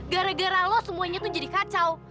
gara gara lo semuanya tuh jadi kacau